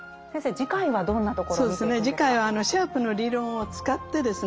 次回はシャープの理論を使ってですね